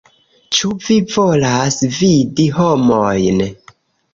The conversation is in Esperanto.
Ĉu vi volas vidi homojn?